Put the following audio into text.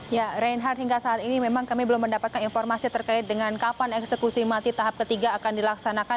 ya reinhardt hingga saat ini memang kami belum mendapatkan informasi terkait dengan kapan eksekusi mati tahap ketiga akan dilaksanakan